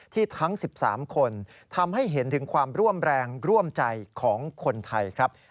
ทั้ง๑๓คนทำให้เห็นถึงความร่วมแรงร่วมใจของคนไทยครับ